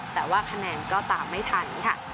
แต่ว่าคะแนนก็ตามไม่ทันค่ะ